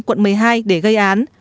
quận một mươi hai để gây án